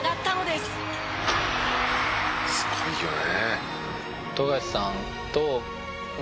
「すごいよね」